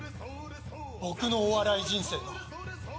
僕のお笑い人生の